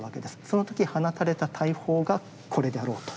その時放たれた大砲がこれであろうと。